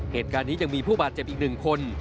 เหตุการณ์นี้ยังมีผู้บาดเจ็บอีก๑คน